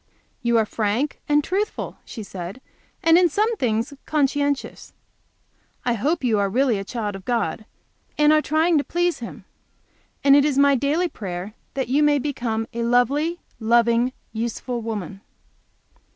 "You are frank and truthful," she said, "and in some things conscientious. I hope you are really a child of God, and are trying to please Him. And it is my daily prayer that you may become a lovely, loving, useful woman."